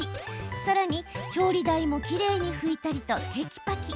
さらに、調理台もきれいに拭いたりと、てきぱき。